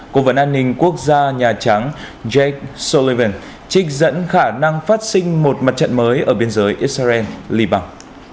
công vận an ninh quốc gia nhà trắng jake sullivan trích dẫn khả năng phát sinh một mặt trận mới ở biên giới israel libang